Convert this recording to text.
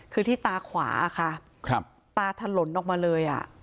คือที่ตาขวาค่ะตาถล่นออกมาเลย